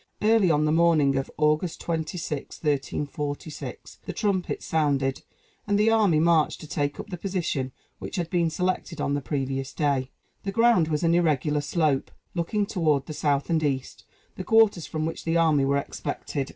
Early on the morning of August 26, 1346, the trumpets sounded, and the army marched to take up the position which had been selected on the previous day. The ground was an irregular slope, looking toward the south and east the quarters from which the army were expected.